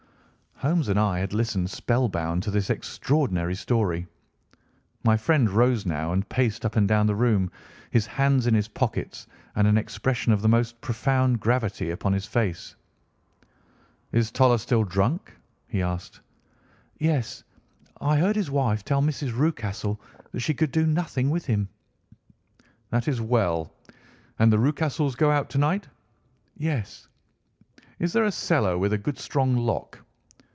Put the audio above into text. Holmes and I had listened spellbound to this extraordinary story. My friend rose now and paced up and down the room, his hands in his pockets, and an expression of the most profound gravity upon his face. "Is Toller still drunk?" he asked. "Yes. I heard his wife tell Mrs. Rucastle that she could do nothing with him." "That is well. And the Rucastles go out to night?" "Yes." "Is there a cellar with a good strong lock?"